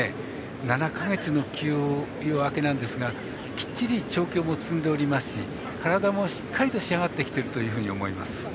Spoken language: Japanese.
７か月の休養明けなのですがきっちり調教も積んでおりますし体もしっかりと仕上がってきていると思います。